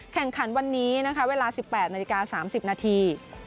แข่งขันวันนี้นะคะเวลา๑๘นาฬิกา๓๐นาที